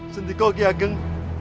sendiko ki ageng